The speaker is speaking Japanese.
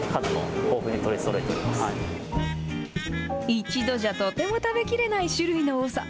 一度じゃとても食べきれない種類の多さ。